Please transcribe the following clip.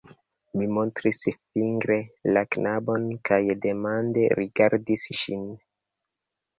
Mi montris fingre la knabon kaj demande rigardis ŝin.